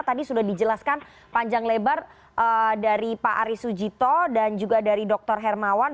tadi sudah dijelaskan panjang lebar dari pak ari sujito dan juga dari dr hermawan